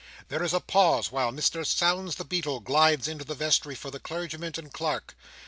There is a pause while Mr Sownds the Beadle glides into the vestry for the clergyman and clerk.